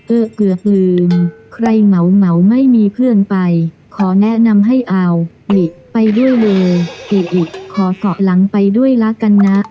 เออเกือกลืมใครเหมาไม่มีเพื่อนไปขอแนะนำให้เอาหมิไปด้วยเลยอิอิขอเกาะหลังไปด้วยละกันนะ